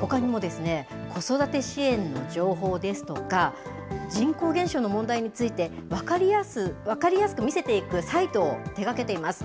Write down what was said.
ほかにも子育て支援の情報ですとか、人口減少の問題について、分かりやすく見せていくサイトを手がけています。